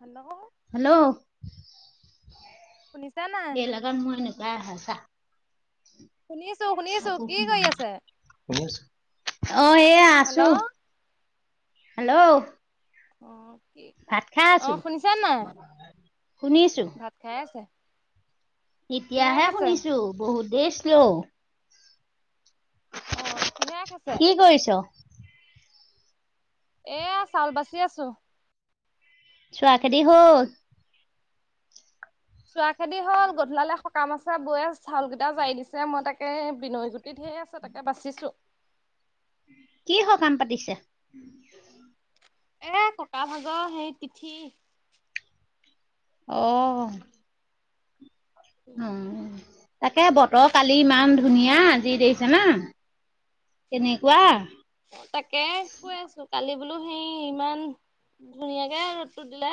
Hello. Hello. শুনিছা নাই? যেন মই এনেকুৱাই হয় ছা। শুনিছোঁ, শুনিছোঁ কি শুনা কৰি নাই আছে? অ', এয়া হেল্ল' আছোঁ হেল্ল'। অ', কি। ভাত খাই অ আছোঁ শুনিছা নাই শুনিছোঁ। ভাত খাই আছে? কিহে এতিয়াহে খাইছে শুনিছোঁ বহুত নেত ছিল্লৌ। অ', কিহেৰে খাইছে? কি কৰিছ? এয়া চাউল বাচি আছোঁ। চোৱা খেদি হ'ল? চোৱা খেদি হ'ল, গধূলিলে সকাম আছে, বৈয়ে চাউল কেইটা জাৰি দিছে মই তাকে। বিনয় গুটিত ঢেৰ আছে তাকে বছিছোঁ। কি সকাম পাতিছে? এ, ককা ভাগৰ সেই তিথি। অ'। অ', তাকে বতৰ কালি ইমান ধুনীয়া ভাত আজি দেখিছে না। কেনেকুৱা। অ', তাকে কৈ আছোঁ, কালি বোলো সেই ইমান ধুনীয়াকে ৰ'দতটো দিলে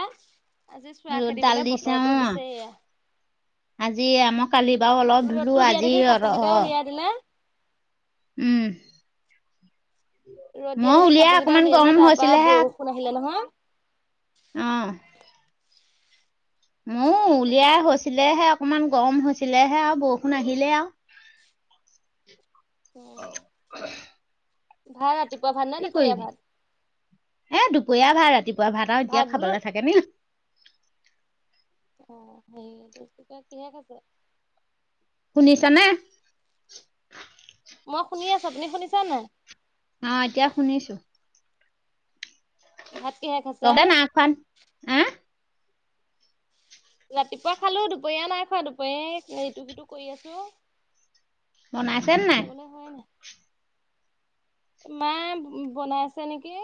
আজি চোৱা ৰ'দডাল খেদিবলৈ দিছে অ বতৰটো দিছে এয়া। আজি আমই কালি বাৰু অলপ ধুলো আজি অ'। হ'ল নে? উম। ৰ'দ দিয়া মই দেখি উলিয়াই কাপোৰ কেইটা অকমান উলিয়ালে গৰম তাৰ পৰা হৈছিলেহে বৰষুণ আহিলে নহয়। অ'। মইও তাৰপা উলিয়াই গতিকে হৈছিলেহে অকমান গৰম হৈছিলেহে আৰু বৰষুণ আহিলে আৰু। ভাত ৰাতিপুৱা ভাত নে কি দুপৰীয়া কৰিবি ভাত? এ, দুপৰীয়া ভাত ৰাতিপুৱা ভাত আৰু এতিয়া খাবলৈ থাকে নি। অ', সেটো কিহে খাইছে? শুনিছ নে? মই শুনি আছোঁ, আপুনি শুনিছা নে? অ', এতিয়া শুনিছোঁ। ভাতক কিহে খাইছে? [unintelligible] হা। ৰাতিপুৱা খালোঁ দুপৰীয়া নাই খোৱা, দুপৰীয়া ইটো সিটো কৰি আছোঁ। বনাইছেনে নাই? হ'ল। মাই বনাই আছে নেকি।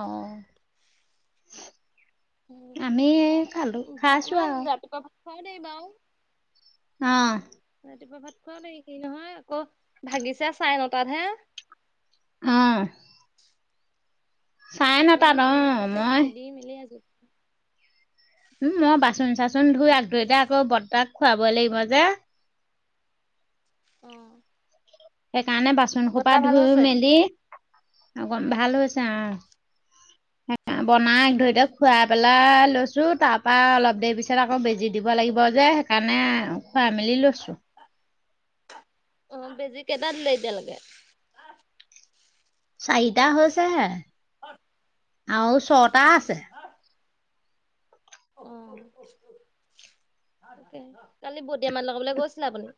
অ', আমি খালোঁ খাইছোঁ আৰু। খুৱাও দেৰি বাৰু। অ ৰাতিপুৱা ভাত খোৱাও দেৰি কি নহয় আকৌ ভাগিছা চাৰে নটাত হে। অ'। চাৰে আকৌ নটাত অ সেৰিটোকে মই খেদি মেলি আজ উম, মই বাচন চাচন ধুই আ ধুই এতিয়া আকৌ বৰ্তাক খুৱাবই লাগিব যে। অ'। সেইকাৰণে বাচন সোপা বৰ্তা ভাল ধুই হৈছে? মেলি। অম, ভাল হৈছে আৰু বনাই ধৰি দ খুৱাই পেলাই। লাই লৈছো। তাৰপৰা অলপ দেৰি পিছত আকৌ বেজি দিব লাগিব যে, সেইকাৰণে খুৱ মেলি লৈছো। অ, বেজি কেইটা দিলে এতিয়ালৈকে? চাৰিটা হৈছে আৰু ছটা অ' আছে। অ, তাক কালি বটিয় মান লগাবলৈ গৈছিলে। আপুনি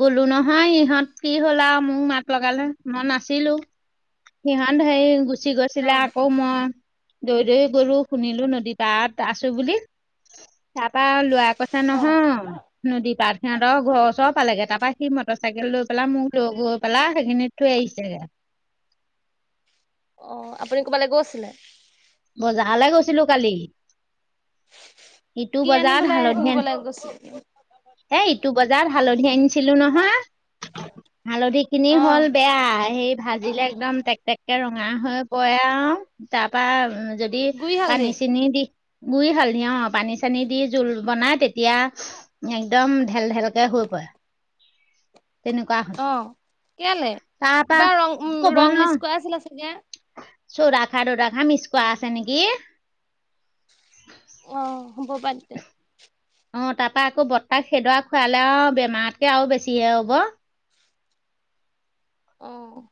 গলো নহয় ইহঁত কি হ'ল আৰু মোৰ মাত লগালে মই নাছিলো। সিহঁত সেৰি গুচি গৈছিলে। অ' আকৌ মই দৈ, দৈ গলো শুনিলো নদী তাত আছো বুলি তাৰপা ল'ৰা ক চ, অ' নহয় নদী পাৰখানাৰ ঘৰ সব পালেগে তাৰ পৰা সি মটৰ চাইকেল লৈ পেলাই মোক লগ গৈ পেলাই সেইখিনিত থৈ আহিছেগে। অ, আপুনি ক'ৰবালৈ গৈছিলে? বজাহালে গৈছিলো কালি। ইটো কি বজাৰত আনিবলৈ হালধি নিবলৈ গৈছিলে? এ, ইটো বজাৰত হালধি আনিছিলো নহয়। হালধি খিনি অ' হ'ল বেয়া, সেই ভাজিলে একদম টেক, টেককে ৰঙা হৈ পৰে আৰু তাৰ পৰা উ, যদি দি গুৰি হালধি পানী, চেনি দি গুৰি হাল দি অ, পানী, চানী দি জোল বনাই তেতিয়া তেতিয়া একদম ঢেল-ঢেলকে হৈ পৰে। তেনেকুৱা হ'ল অ, কেলে? তাৰপা কিবা ৰং, উ, ৰং মিচ কৰা আছিলে চাগে। চৌদাখাৰ তৌদাখাৰ মিচ কৰা আছে নেকি। অ, হ'ব পাৰে তেতিয়া। অ, তাৰপৰা আকৌ বত্তাক সেইদোৱা খুৱাই লৈ আৰু বেমাৰতকে আৰু বেছিহে হ'ব। অহ।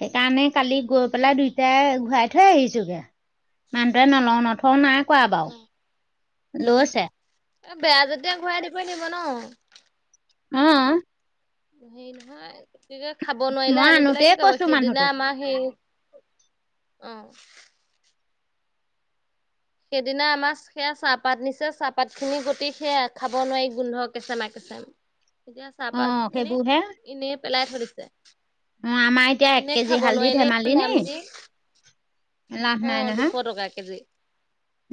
সেইকাৰণে কালি গৈ পেলাই তাকেহে দুইটাই ঘূৰাই থৈ আহিছোগে। মানুহটোৱে নলও, নথওঁ নাই কোৱা বাৰু লৈছে। এই বেয়া যেতিয়া ঘূৰাই দিবই লাগিব ন। হম। হেৰি নহয়, কি কয় খাব নোৱাৰিলে মই আনি পেলাই আনোতেই কি কৈছো কৰিব। সিদিনা মানুহটোক আমাৰ হেৰি, অহ। সেইদিনা আমাৰ সেয়া চাহপাত নিছে, চাহপাতখিনি গটি সেয়া খাব নোৱাৰি গোন্ধ কেঁচেমা, কেঁচেমা। [inaudible] এতিয়া অ চাহপাত খিনি সেইবোৰহে এনেই পেলাই থৈ দিছে। অ আমাৰ এতিয়া এক এনেই কেজি খাব হালধি [unintelligible] ধেমালি ইমান দাম নি দি। লাভ অ, দুশ টকা কেজি।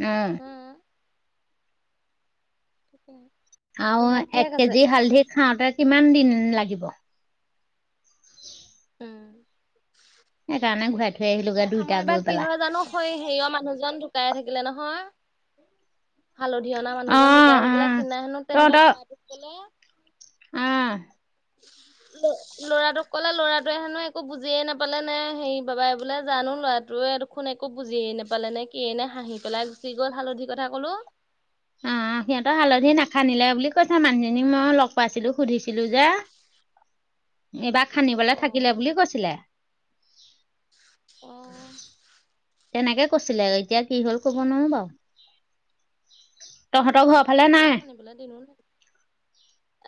উম। উম। আৰু এক কেজি হালধি খাওঁতে কিমান দিন লাগিব। উম, সেইকাৰণে ঘূৰাই থৈ আহিলোগে তাকেই দুইটা আমাৰ গৈ এবাৰ কি পেলাই হয় জানো। স, এই হেৰিয়ৰ মানুহজন ঢুকাই থাকিলে নহয়। হালধি অনা অ মানুহজন ঢুকাই অ থাকিলে, সিদিনা হেনো তেহঁতৰ ল'ৰাটোক কলে। উম। [inaudible] ল'ৰাটোক ক'লে ল'ৰাটোৱে হেনো একো বুজিয়ে নাপালে নে হেৰি বাবাই বোলে জানো ল'ৰাটোৱে শোন একো বুজিয় নাপালে নে কিয়েই নে, হাঁহি পেলাই গুচি গ'ল হালধিৰ কথা কলো। উম, সিহঁতৰ হালধি নাখানিলে বুলি কৈছে, মানুহজনীক মই লগ পাইছিলো সুধিছিলো যে এইবাৰ খান্দিবলে অ', থাকিলে বুলি কৈছিলে। অহ। তেনেকে কৈছিলে এতিয়া কি হ'ল কব তাকে নোৱাৰো বাৰু। তহঁতৰ ঘৰৰ ফালে নাই? [unintelligible] এফালে নাই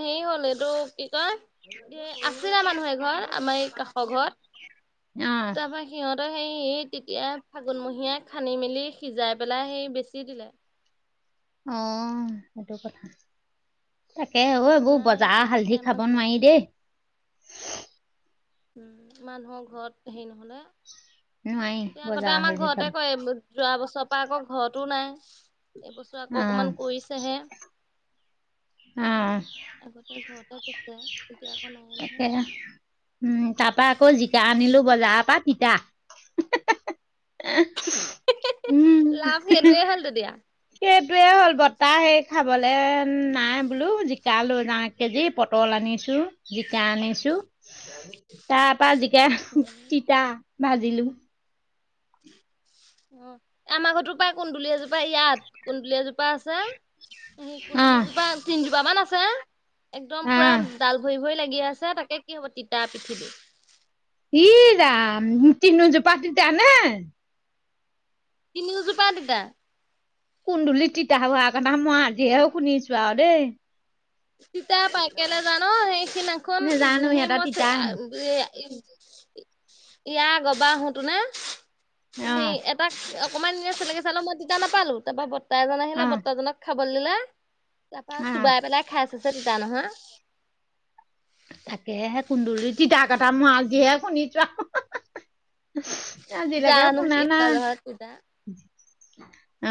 হেৰি হ'ল এইটো কি কয় এ আছিলে মানুহ এঘৰ, আমাৰ এই কাষৰ ঘৰত। অ তাৰপৰা সিহঁতে সেই তেতিয়া ফাগুনমহীয়াই খান্দি মেলি সিজাই পেলাই সেই বেচি দিলে। অহ, সেইটো কথা। তাকেহে অ', এইবোৰ নাই বজাৰৰ এতিয়ালৈকে হালধি আমাৰ খাব ঘৰত নোৱাৰি দেই। মানুহৰ ঘৰত হেৰি নহ'লে। নোৱাৰি এতিয়া আগতে বজাৰৰ আমাৰ হালধি খাব ঘৰতে কয়, যোৱা বছৰৰ পৰা আকৌ ঘৰতো নাই। এই বছৰ আকৌ অ অকণমান কৰিছেহে। অ উম, আগতে ঘৰতেই [unintelligible] এতিয়া আকৌ নাই নহয়। তাকে উম, তাৰ পৰা আকৌ জিকা আনিলো বজাৰৰ পৰা। তিতা। লাভ সেইটোৱেই হ'ল তেতিয়া। সেইটোৱেই হ'ল বত্তা সেই খাবলে নাই বোলো জিকা লৈ যাওঁ। কেজি পটল আনিছো জিকা আনিছো তাৰ পা জিকা অ', তিতা ভাজিলো। অ', আমাৰ ঘৰো পৰাায় কুন্দুলি এজোপা ইয়াত কুন্দুলি এজোপা আছে। অ কুন্দুলিজোপা তিনজোপা মান আছে একদম অ পুৰা ডাল ভৰি ভৰি লাগি আছে তাকে কি হ'ব তিতা পিঠিলি। ই ৰাম তিনি জোপা তিতা নে? তিনিও জোপা তিতা। কুন্দুলি তিতা হোৱাৰ কথা মই আজিহেও শুনিছো আৰু দেই। তিতা পাইকেলে যা ন সেইখিদিনাখন নেজানো সেই সিহঁতৰ মই। তিতা হেনো ইয়াৰ গবা আহোতো ন অ সেই। তাক অকমান দিনে চেকি চালো মই তিয়া নাপালো তাৰ পৰা ব্তা এজন আহিলে অ ব্তাজনক খাব বল দিলে তাৰ পৰা অ চোবাই পেলাই খাই চছে তিতা নহয়। তাকে কুন্দুলি তিতা কটা ম আজিহে শুনিছোৱা। আজিলকে জানো শুনা কি নাই হয় জহত তিতা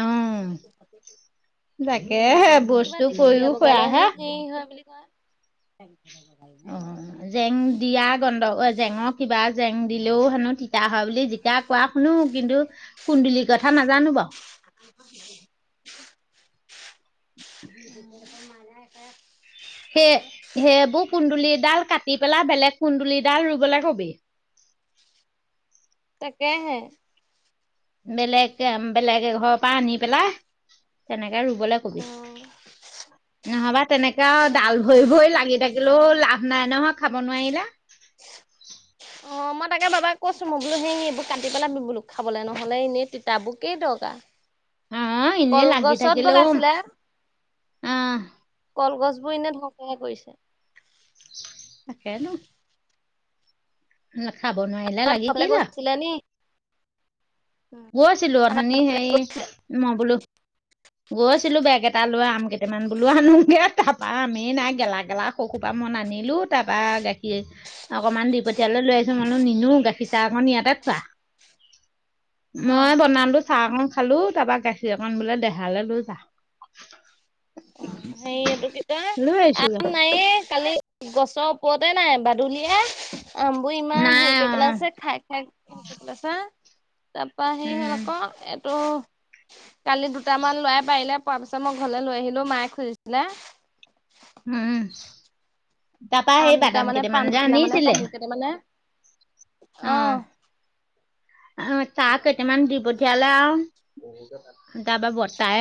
অ তাকেহে কিবা বস্তু দীঘলীয়া কৰিও বগালে খোৱাহে হেনো হেৰি হয় বুলি কয়। জেং দিয়া গন্ধগ জেঙৰ কিবা জেং দিলেও হেনো তিতা হয় বুলি জ এতিয়া কোৱা শুনো কিন্তু কুন্দুলিৰ কথা নাজানো বাৰু। [inaudible] [inaudible] সেই সেইবোৰ কুন্দুলিডাল কাটি পেলাই বেলেগ কুন্দুলিডাল ৰুবলৈ কবি। তাকে হে। বেলেগ, বেলেগ ঘৰৰ পৰা আনি পেলাই তেনেকে ৰুবলৈ। নহবা তেনেকে আৰু ডাল ভৰি এইবোৰ ভৰি তিতা লাগি থাকিলেও ল নাই নহয় খাব নোৱাৰিলে। অ', মই তাকে বাবাক কৈছো মই বোলো সি এইবোৰ কাটি পেলাবি বোলো খাবলৈ নহ'লে এনেই তিতাবোৰ কেই দৰকাৰ। আহ এনে লাগি কলগছত থাকিলেও বগাইছিলে আহ। কলগছ বোৰ এনে ধৰকহে কৰিছে। তাকেটো খাব নোৱাৰিলে লাগে কি লাভ। [unintelligible] গৈ আছিলো আঠনি সেই মই বোলো। গৈছিলো বেগ এটা লৈ আম কেইটামান বোলো আনোগে তাৰাপা আম এ নাই গেলা গেলা। ককুপা মন আনিলো তাৰ পৰাা গাখীৰ অকণমান দি তেতিয়ালৈ আহছোঁ মানহ নিনো গাখীৰাহ অকন ইয়াতে খোৱা। মই বনালো চাহ অকন খালো তাৰ পৰা গাখীৰ অকন বোলে দেহালৈ লৈ যাহ। অ', সেইটো কি কৈ আহিছোগে আম নাই এ। কালি গছৰ ওপৰতে নাই বাদুলীয়ে। আমবোৰ ইমান নাই হেৰি কৰি অ পেলাই আছে, খাই খাই পেলাইছে। তাৰপা হে, হ'ল উম, আকৌ। ত' কালি দুটামান লোৱাই পাৰিলে, পোৱা পিছত মই ঘৰলৈ লৈ আহিলো, মায়ে খুজিছিলে। হুম। আম দুটা মানে, পাণ যে দুখিলা মানে, আনিছিলে তামোল কেইটা মানে। অ'। অ' চাহ কেইটামান দি পঠিয়ালে আৰু তাৰপা বৰ্তাই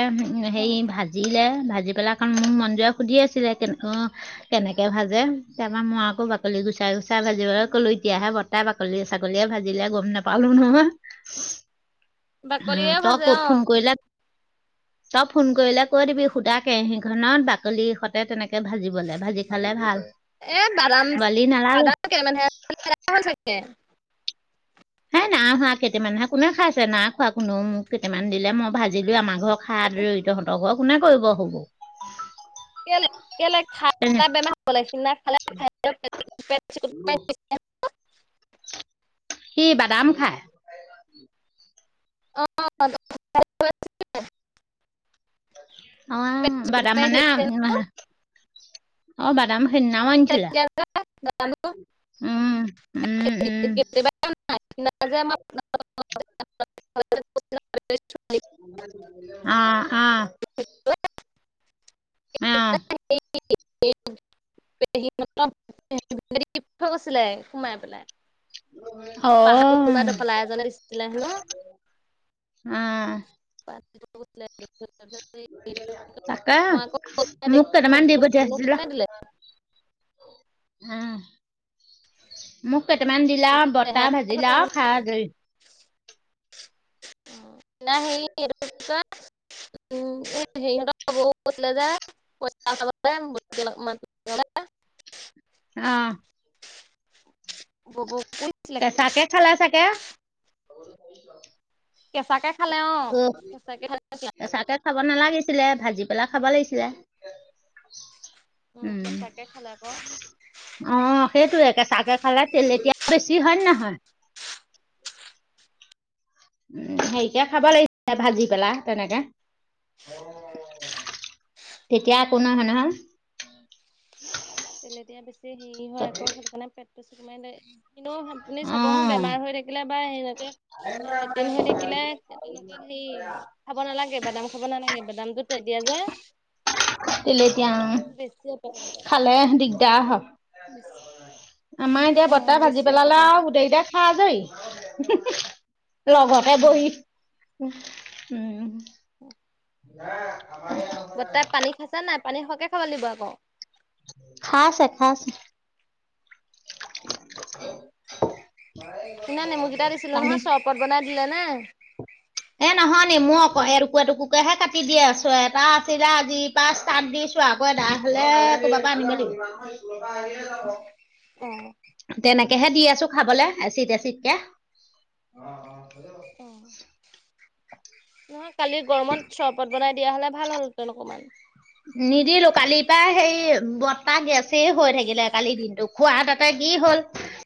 অ হেৰি ভাজিলে, ভাজি পেলাই খন মোৰ মনন্দৰে সুধি আছিলে কিন্তু কেনেকে ভাজে, তাৰপা মই আকৌ বাকলি গুচাই গুচাই ভাজিবলৈ কলো, এতিয়া হে, বাহ বাকলিয়ে ছাকলিয়ে ভাজিলে গম নাপা পালো নহয়। বাকলিয়ে তই ভাজে ক'ত অ ফোন কৰিলে চব ফোন কৰিলে কৈ দিবি সুতা কেহিখনত বাকলি স তে তেনেকে ভাজিবলে, ভাজি খালে ভাল, বালি নালাগে। তাকে মানে চাগে হেই নাই খোৱা, কেইটামান হে কোনে খাইছে, না খোৱা কোনেও, মোক কেইটামান দিলে মই ভাজিলো আমাৰ ঘৰত খাৰি তহঁতৰ ঘৰ কোনে কৰিব সুবোৰ? কেইলে কেইলে খাই বেমাৰ হ'ব লাগি সিনা খালে [unintelligible] সি বাদাম খায়। অ পেট অ' চিকুট দাদাম মাৰি মানে ধৰিছে অ' দাদাম সেইদিনাও আনিছিলে। উম উম উম [unintelligible] অ', অ'। উম। [unintelligible] [unintelligible] আছিলে সোমাই পেলাই। অ পাহ কোনোনোবা এডখলা এজনে দিছিলে হেনো। উম। পাত তাকে মোক কেইটামান দি পঠিয়াইছিলে [unintelligible] উম। মোক কেইটামান দিলা, তাৰপিছত বৰ্তা ভাজিলা, আৰু খাই আজৰি। অ' নাই হেৰি এইটো কি বুলি কই উম, হেৰিহঁতক কৈছিলে যে [unintelligible] অ'। [unintelligible] কেচাকে খালে ছাগে। কেঁচাকে খালে অঁ'। কেঁচাকে খাই আছিলে। কেঁচাকে খাব নালাগিছিলে, ভাজি পেলাই খাব লাগিছিলে। উম। কেঁচাকে খালে আকৌ অ' সেইটোয়ে, কেচাকে খালে তেলেটিয়া বেছি হয় নে নহয়? উ, হেৰিকে খাব লাগিছিলে, ভাজি পেলাই তেনেকে। তেতিয়া একো নহয়, নহয়। তেলেতীয়া বেছি হেৰি হয় আকৌ, সেইটোকাৰণে পেটটো চুমাৰ আপুনি অ চাবহোন বেমাৰ হৈ থাকিলে বা এনেকৈ লেট্ৰিন হৈ থাকিলে তেনেক হেৰি খাব নালাগে, বাদাম খাব নালাগে। বাদামটো তেতিয়া যে। তেলেতীয়া উম, বেছি অপকাৰ কৰে। খালে দিগদাৰ হয়। আমাৰ এতিয়া বৰ্তা অ', ভাজি বেছি পেলালে অপকাৰ আৰু কৰে। গোটেইকেইটাক খাই আজৰি, লগতে অ', বহি। উ অ'। [unintelligible] আগতে পানী খাইছো নাই। পানী সৰকে খাব লাগিব আকৌ। খাইছে, খাইছে। ইমান নেমুকেইটা দিছিলোঁ পানী নহয় চৰপত বনাই দিলেনে? এ, নহয় নেমু অক এদুখোৰ-এদুখোৰকেহে কাটি দিয়ে আছোঁ। এটা আছিলে আজিৰ পা তাত দিছোঁ আকৌ এ ডাঠ হ'লে কবাৰ পৰা আনিব লাগিবি। অহ। তেনেকেহে দি আছো খাবলৈ এচিড এচিডকে। অহ। নহয় কালি গৰমত চৰবত বন দিয়া হ'লে ভাল হ'ল হেঁতেন অকণমান। নিদিলো কালিৰ পৰা হে বতাহ গেছেই হৈ থাকিলে। কালিৰ দিনটো খোৱা তাতে কি হ'ল।